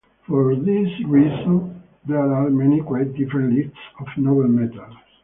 For this reason there are many quite different lists of "noble metals".